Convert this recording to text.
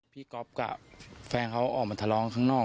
ก๊อฟกับแฟนเขาออกมาทะเลาะข้างนอก